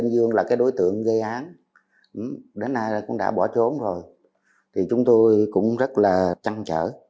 đến nay cũng đã bỏ trốn rồi thì chúng tôi cũng rất là trăng trở